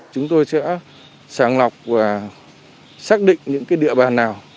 chúng tôi sẽ sàng lọc và xác định những địa bàn nào